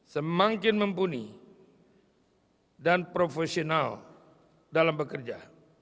semakin mumpuni dan profesional dalam bekerja